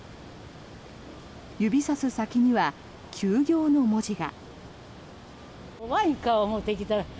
指さす先には休業の文字が。